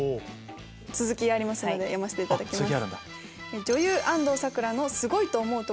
続きありますので読ませていただきます。